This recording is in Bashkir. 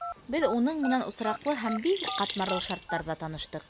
Беҙ уның менән осраҡлы һәм бик ҡатмарлы шарттарҙа таныштыҡ.